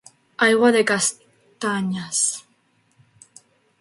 Aigua de castanyes.